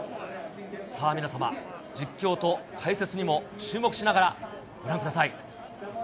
さあ、皆様、実況と解説にも注目しながらご覧ください。